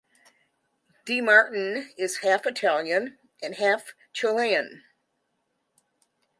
De Martin is half Italian and half Chilean.